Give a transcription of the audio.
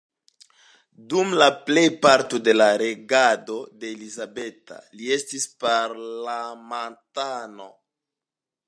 Dum la plejparto de la regado de Elizabeta li estis parlamentano.